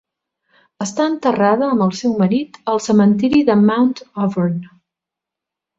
Està enterrada amb el seu marit al cementiri de Mount Auburn.